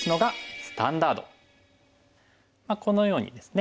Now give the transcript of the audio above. このようにですね